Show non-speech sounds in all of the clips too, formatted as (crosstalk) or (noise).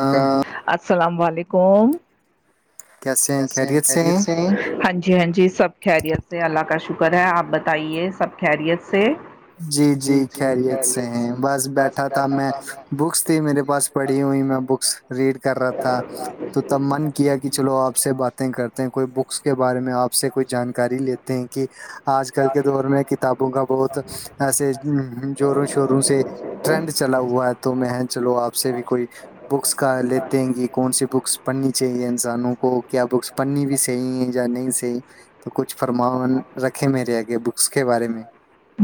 ہاں السلام علیکم کیسے ہیں خیریت سے ہیں ہاں جی ہاں جی سب خیریت سے اللہ کا شکر ہے آپ بتائیے سب خیریت سے جی جی خیریت سے ہیں بس بیٹھا تھا میں بکس تھی میرے پاس پڑھی ہوئی میں بک ریڈ کر رہا تھا تو تب من کیا کہ چلو آپ آ سے باتیں کرتے ہیں کوئی بکس کے بارے میں آپ سے کوئی جانکاری لیتے ہیں کہ آج کل کے دور میں کتابوں کا بہت ایسے جووروں شوروں سے ٹرینڈ چلا ہوا ہے تو میں چلو آپ سے بھی کوئی بکس کا لیتے ہیں گ کون سی بکس پڑھنی چاہیے انسانوں کو کو کیا بکس پڑھنی بھی صحی ہے یا نہیں صحی تو کچھ فرماان رکھے میرے آگے بکس کے بارے میں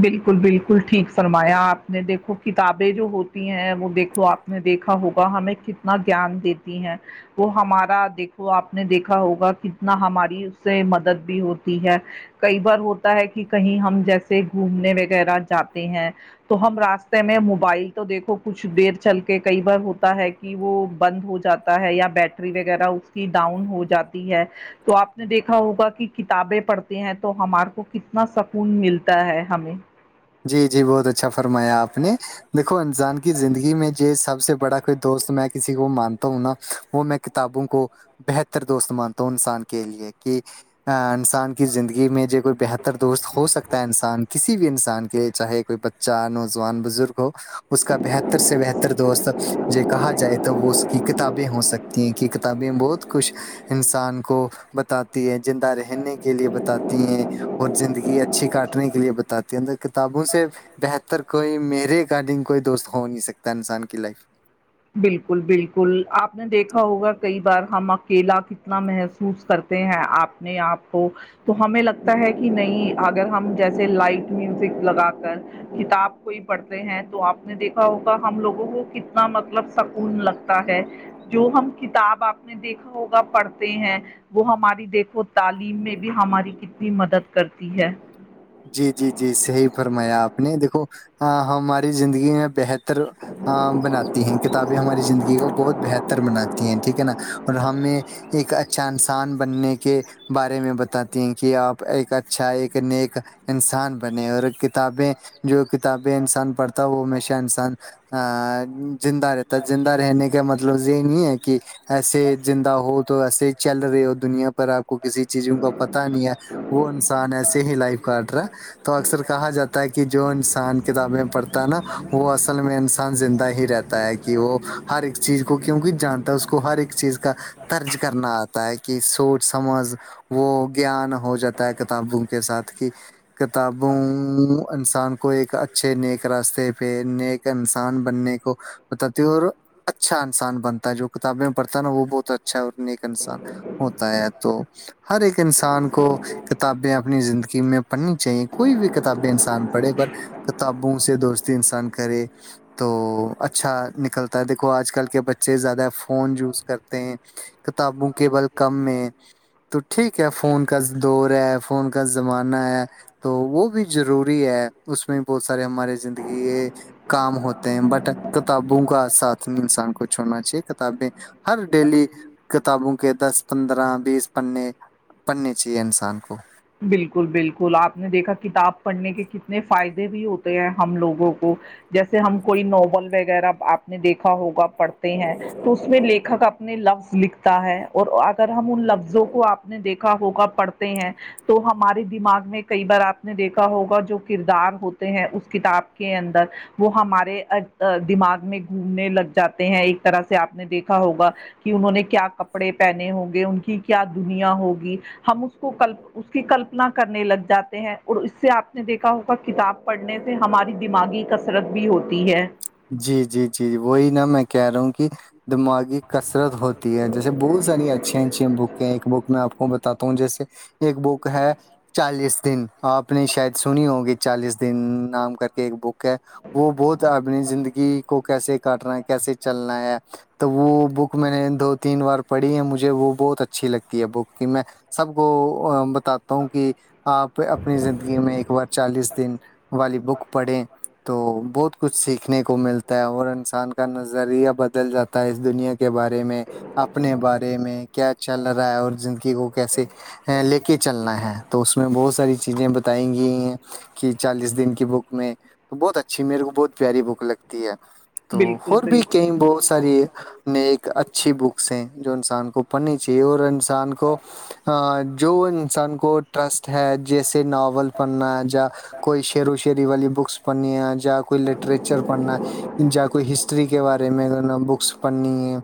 بالکل بالکل ٹھیک فرمایا آپ نے دیکھو کتابیں جو ہوتی ہیں وہ دیکھو آپ دیکھا ہوگا ہمیں کتنا گان دیتی ہیں وہ ہمارا دیک آپ نے دیکھا ہوگا کتنا ہماری اس سے مدد بھی ہوتی ہے کئی بار ہوتا ہے کہ کہیں ہم جیسے گھومنے وغیرہ جاتے ہیں تو ہم راستے میں موبائل تو دیکھو کچھ دیر چل کے کئی بار ہوتا ہے کہ وہ بند ہو جاتا ہے یا بیٹری وغیرہ اس کی ڈاؤن ہو جاتی ہے تو آپ نے دیکھا ہوگا کہ کتابیں پڑھتے ہیں تو ہمارے کو کتنا سکون ملتا ہے ہمیں جی بہت اچھا اچھا فرمایا آپ نے دیکھو انسان کی زندگی میں جو سب سے بڑا کوئی دوست میں کسی کو مانتا ہوں نا وہ میں کتابوں کو بہتر دوست مانتا ہوں انسان کے لیے کہ انسان کی زندگی میں جب ئی بہتر دوست ہو سکتا ہے انسان کسی بھی انسان کے کہ چاہے کوئی بچہ نوجوان بزرگ ہو اس کا بہتر سے بہتر دوست کہا جائے تو وہ اس کی کتابیں ہو سکتی ہیں کہ کتابیں بہت کچھ انسان کو بتاتی ہے زندہ رہنے کے لیے بتاتی ہیں اور زندگی اچھی کاٹنے کے لیے بتاتی ہیںر کتابوں سے بہتر کوئی میرے اکارڈنگ کوئی دوست ہو نہیں سکتا انسان کی لائف بالکل بالکل آپ نے دیکھا ہوگا کئی بار ہم اکیلا کتنا محسوس کرتے ہیں آپ نے آپ کو تو ہمیں لگتا ہے کہ نہیں اگر ہم جیسے لائٹ میوزک لگا کر کتاب کوئی پڑھتے ہیں تو آپ نے دیکھا ہوگا ہم لوگوں کو کتنا مطلب مطلب سکون لگتا ہے جو ہم کتاب آپ نے دیکھا ہوگا پڑھتے ہیں وہ ہماری دیکھو تعلیم میں بھی ہماری کتنی مدد کرتی ہے جی جی جی صحیح فرمایا آپ نے دیکھو ہماری زندگی میں بہتر ا بناتی ہیں کتابیں ہماری زندگی کو بہت بہتر بناتی ہیں ٹھیک ہے نا اور ہمیں ایک اچھا انسان بننے کے بارے میں بتاتی ہیں کہ آپ ایک اچھا ایک نیک انسان بنے اور کتابیں جو کتابیں انسان پڑھتا وہ ہمیشہ انسان زندہ رہتا تو زندہ رہنے کا مطلب یہ نہیں ہے کہ ایسے زندہ ہو تو ایسے ہی چل رہے ہو دنیا آپ کو کسی چیزوں کا پتا نہیں ہے وہ انسان ایسے ہی لائف کا رہا تو اکثر کہا جاتا ہے کہ جو انسان کتابیں پڑھتا ہے نا وہ ال میں انسان زندہ ہی رہتا ہے کہ وہ ہر ایک چیز کو کیوںک جانتا ہے اس کو ہر ایک چیز کا طرج کرنا آتا ہے کہ سوچ سمجھ وہ گیان ہو جاتا ہے کتابوں کے ساتھ کہ کتابوں انسان کو ایک اچھے نیک راستے پہ نیک انسان بننے کو بتاتی ہ اور اچھا انسان بنتا ہے جو کتابیں میں پڑتا نا وہ بہت اچھا ہے اور نیک انسان ہوتا ہے تو ہر ایک انسان کو کتابیں اپنی زندگی کہ میں پڑھنی چاہیے کوئی بھی کتابیں انسان پڑھے پر کتابوں سے دوستی انسان کرے تو اچھا نکلتا ہے دیکھو آج کل کے بچے زیادہ فون یوز کرتے ہیں کتابوں کے بل کم میں تو ٹھیک ہے فون کا دور ہے فون کا مانا ہے تو وہ بھی ضروری ہے اس میں بہت سارے ہمارے زندگی یہ کام ہوتے ہیں بٹ کتابوں کا ساتھ انسان کو چھوڑنا چاہیے کتابیں ہر ڈیلی کتابوں کے دس پندرہ بیس پڑنے پڑھنے چاہیے انسان کو بالکل بالکل آپ نے دیکھا کتاب پڑھنے کے کتنے فائدے بھی ہوتے ہیں ہم لوگوں کو جیسے ہم کوئی ناول وغیرہ آپ نے دیکھا ہوگا پڑھتے ہیں تو اس میں لیکھک اپنے لفظ لکھتا ہے اور اگر ہم ان لفظوں کو آپ نے دیکھا ہوگا پڑھتے ہیں تو ہمارے دماغ میں کئی بار آپ نے دیکھا ہوگا جو کردار ہوتے ہیں اس کتاب کے اندر وہ ہمارے دماغ میں گھومنے لگ جاتے ہیں ایک طرح سے آپ نے دیکھا ہوگا کہ انہوں نے کیا کپڑے پہنے ہوں گے ان کی کیا دنیا ہوگی ہم اس کو کلپ اس کی کلپنا کرنے لگ جاتے ہیں اور اس سے آپ نے دیکھا ہوگا کتاب پڑھنے ہماری دماغی کثرت بھی ہوتی ہے جی جی جی جی وہی نا میں کہہ رہا ہوں کہ دماغی کثرت ہوتی ہے جیسے بہت ساری اچھی اچھی بکیں ایک بک میں آپ کو بتاتا ہوں جیسے ایک بک ہے چالیس دن آپ نے شاید سنی ہوگی چالیس دن نام کر کے ایک بک ہے وہ بہت اپنی زندگی کو کیسے کاٹنا ہے کیسے چلنا ہے تو وہ بک میں نے دو تین بار پڑھی ہے مجھے وہ بہت اچھی لگتی ہے بک کہ میں سب کو بتاتا ہوں کہ آپ اپنی زندگی میں ایک بار چالیس دن والی بک پڑھیں تو بہت کچھ سیکھنے کو ملتا ہے اور انسان کا نظریہ بدل جاتا ہے اس دنیا کے بارے میں اپنے بارے میں کیا چل رہا ہے اور زندگی کو کیسے لے کے چلنا ہے تو اس میں بہت ساری چیزیں بتائیں گئی ہیں کی چالیس دن کی بک میں تو بہت اچھی میرے کو بہت پیاری بک لگتی ہے تو بالکل اور بھی کئی بالکل بہت ساری نے ایک اچھی بکس ہیں جو انسان کو پڑھنی چاہیے اور انسان کو جو انسان کو ٹرسٹ ہے جیسے ناول پڑھنا جیا کوئی شیرو شری والی بکس پڑنی ہے یا کوئی لٹریچر پڑھنا جیا کوئی ہسٹری کے بارے میں بکس پڑھنی ہے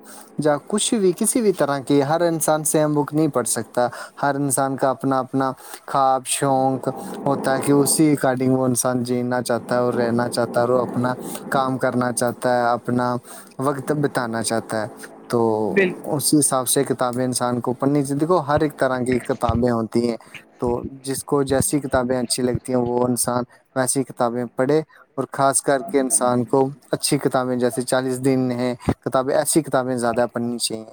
یا کچھ بھی کسی بھی طرح کی ہر انسان سے ہم بک نہیں پڑھ سکتا ہر انسان کا اپنا اپنا خواب شوق ہوتا ہے کہ اسی اکارڈنگ وہ انسان جینا چاہتا ہے اور رہنا چاہتا ہے اپنا کام کرنا چاہتا ہے اپنا وقت بتانا چاہتا ہے تو اسی حساب سے کتابیں انسان کو پڑھنی چاہ دیکھو ہر ایک طرح کی کتابیں ہوتی ہیں تو جس کو جیسی کتابیں اچھی لگتی ہیں وہ انسان ویسی کتابیں پڑھے اور خاص کر کے انسان کو اچھی کتابیں جیسے چالیس دن ہے کتابیں ایسی کتابیں زیادہ پڑھنی چاہئیں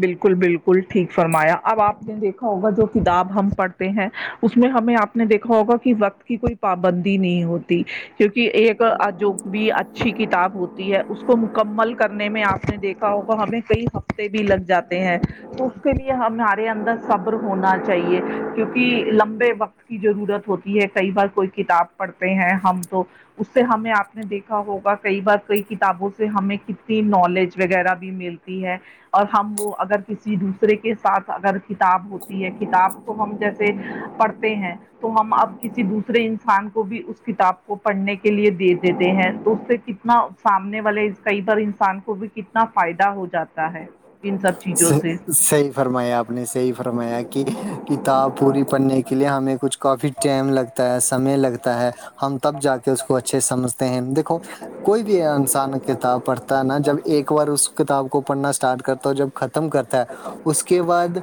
بالکل بالکل ٹھیک فرمایا اب آپ نے دیکھا ہوگا جو کتاب ہم پڑھتے ہیں اس میں ہمیں آپ نے دیکھا ہوگا کہ وقت کی کوئی پابندی نہیں ہوتی کیونکہ یہ ایک جو بھی ا اچھی کتاب ہوتی ہے اس کو مکمل کرنے میں آپ نے دیکھا ہوگا ہمیں کئی ہفتے بھی لگ جاتے ہیں اس کے لیے ہمارے اندر صبر ہونا چاہیے کیونکہ لمبے وقت کی ضرورت ہوتی ہے کئی بار کوئی کتاب پڑھتے ہیں ہم تو اس سے ہمیں آپ نے دیکھا ہوگا کئی بار کئی کتابوں سے ہمیں کتنی نالج وغیرہ بھی ملتی ہے اور ہم وہ اگر کسی دوسرے کے ساتھ اگر کتاب ہوتی ہے کتاب کو ہم جیسے پڑھ پ ہیں (unintelligible) تو ہم اپ کسی دوسرے انسان کو بھی اس کتاب کو پڑھنے کے لیے دے دیتے ہیں تو اس سے کتنا سامنے والے کئی بار انسان کو بھی کتنا فائدہ ہو جاتا ہے ان سب س چیزوں سے سی فرمایا آپ نے سےحی فرمایا کہ کتاب پوری پڑھنے کے لیے ہمیں کچھ کافی ٹائم لگتا سمے لگتا ہے ہم تب جا کے اس کو اچھے سمجھتے ہیں دیکھو کوئی بھی انسان کتاب پڑھتا ہے نا جب ایک بار اس کتاب کو پڑھنا اسٹارٹ کرتا ہو جب ختم کرتا ہے اس کے بعد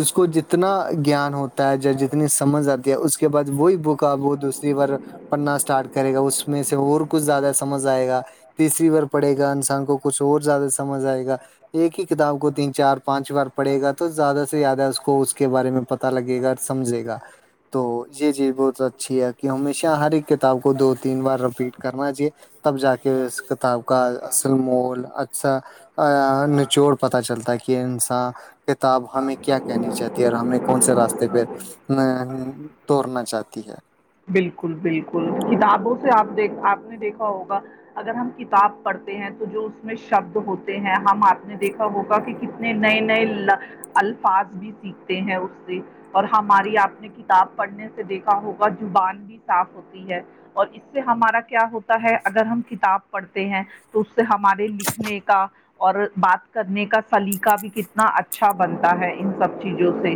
اس کو جتنا گیان ہوتا ہے جتنی سمجھ آتی ہے اس کے بعد وہی بک آب وہ دوسری بار پڑنا اسٹارٹ کرے گا اس میں سے اور کچھ زیادہ سمجھ آئے گا گا تیسری بار پڑے گا انسان کو کچھ اور زیادہ سمجھ آئے گا ایک ہی کتاب کو تین چار پانچ بار پڑے گا تو زیادہ سے زیادہ اس کو اس کے بارے میں پتا لگے گا اور سمجھے گا تو جی جی بہت اچھی ہے کہ ہمیشہ ہر ایک کتاب کو دو تین بار رپیٹ کرنا تب جا کے اس کتاب کا اصل مول اچھا نچوڑ پتا چلتا انسا کتاب ہمیں کیا کہنی چاہتی ہے اور ہمیں کون سے راستے پہ نہ توڑنا چاہتی ہے بالکل بالکل کتابوں سے آپ دیک آپ نے دیکھا ہوگا اگر ہم کتاب پڑھتے ہیں تو جو اس میں شبد ہوتے ہیں آپ نے دیکھا ہوگا کہ کتنے نئے نئے الفاظ بھی سیکھتے ہیں اس سے اور ہماری آپ نے کتاب پڑھنے سے دیکھا ہوگا زبان بھی صاف ہوتا اور اس سے ہمارا کیا ہوتا ہے اگر ہم کتاب پڑھتے ہیں تو اس سے ہمارے لکھنے کا اور بات کرنے کا سلیقہ بھی کتنا اچھا بنتا ہے ان سب چیزوں سے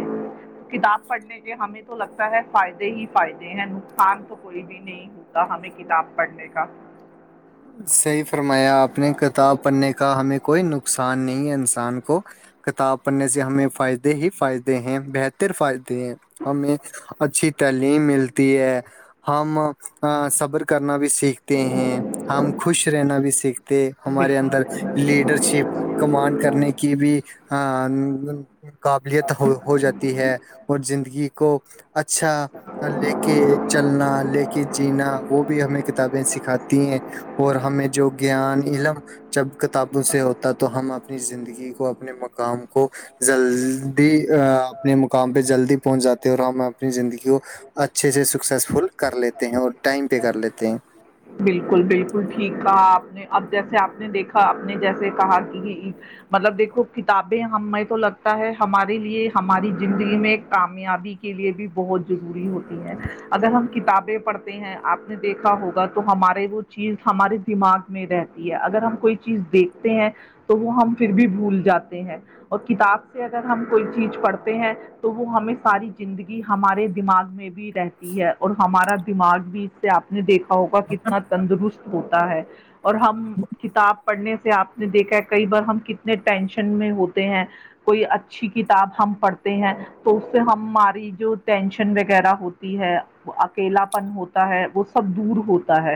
کتاب پڑھنے کے ہمیں تو لگتا ہے فائدے ہی فائدے ہیں نقصان تو کوئی بھی نہیں ہوتا ہمیں کتاب پڑھنے کا صحیح فرمایا اپنے کتاب پڑھنے کا ہمیں کوئی نقصان نہیں ہے انسان کو کتاب پڑھنے سے ہمیں فائدے ہی فائدے ہیں بہتر فائدے ہیں ہمیں اچھی تعلیم ملتی ہے ہم صبر کرنا بھی سیکھتے ہیں ہم خوش رہنا بھی سیکھتے ہمارے اندر لیڈر شپ کمانڈ کرنے کی بھی قابلیت ہو ہو جاتی ہے اور زندگی کو اچھا لے کہ چلنا لے کے جینا وہ بھی ہمیں کتابیں سکھاتی ہیں اور ہمیں جو گیان علم جب کتابوں سے ہوتا تو ہم اپ اپنی زندگی کو اپنے مقام کو جلدی اپنے مقام پہ جلدی پہنچ جاتے اور ہم اپنی زندگی کو اچھے سے سکسیزفل کر لیتے ہیں اور ٹائم پہ کر لیتے ہیں بالکل بالکل ٹھیک کہا آپ نے اب جیسے آپ نے دیکھا آپ نے جیسے کہا کہ مطلب دیکھو کتابیں ہمیں تو لگ ہے ہمارے لیے ہماری زندگی میں کامیابی کے لیے بھی بہت ضروری ہوتی ہے اگر ہم کتابیں پڑھتے ہیں آپ نے دیکھا ہوگا تو ہمارے وہ چیز ہمارے دماغ میں رہتی ہے اگر ہم کوئی چیز دیکھتے ہیں تو وہ ہم پھر بھی بھول جاتے ہیں اور کتاب سے اگر ہم کوئی چیز پڑھتے ہیں تو وہ ہمیں ساری زندگی ہمارے دماغ میں بھی رہتی ہے اور ہمارا دماغ بھی آپ نے دیکھا ہوگا کتنا تندرست ہوتا ہے اور ہم کتاب پڑھنے سے آپ نے دیکھا ہے کئی بار ہم کتنے ٹینشن میں ہوتے ہیں کوئی اچھی کتاب ہم پڑھتے ہیں تو اس سے ہماری جو ٹینشن وغیرہ ہوتی ہے اکیلا پن ہوتا ہے وہ سب دور ہوتا ہے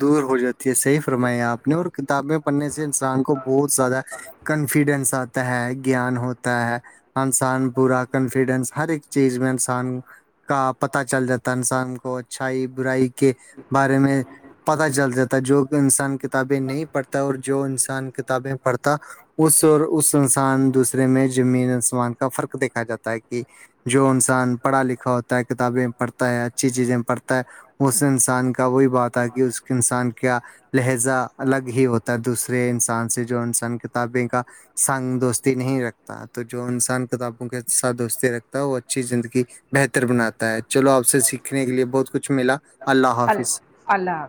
دور ہو جاتی ہے صحیح فرمائی آپ نے اور کتابیں پڑھنے سے انسان کو بہت زیادہ کنفیڈینس آتا ہے گیان ہوتا ہے انسان پورا کانفیڈینس ہر ایک چیز میں انسان کا پتا چل جاتا انسان کو اچھائی برائی کے بارے میں جل جاتتا ہے جو انسان کتابیں نہیں پڑھتا اور جو انسان کتابیں پڑھتا اس اور اس انسان دوسرے میں زمین انسمان کا فرق دیکھا جاتا ہے کہ جو انسان پڑھا لکھا ہوتا ہے کتابیں پڑھتا ہے اچھی چیزیں پڑھتا ہے اس انسان کا وہی بات ہے کہ اس انسان کیا لہجہ الگ ہی ہوتا ہے دوسرے انسان سے جو انسان کتابیں کا سانگ دوستی نہیں رکھتا تو جو انسان کتابوں کے ساتھ دوستی رکھتا ہے وہ اچھی زندگی بہتر بناتا ہے چلو آپ سے سیکھنے کے لیے بہت کچھ ملا اللہ حافظ اللہ